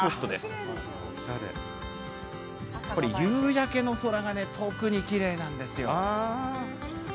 この場所は夕焼けの空が特にきれいなんですよ。